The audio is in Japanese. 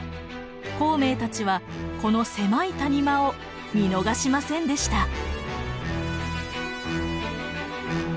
孔明たちはこの狭い谷間を見逃しませんでした。